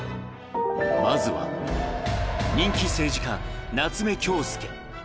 まずは、人気政治家、夏目恭輔。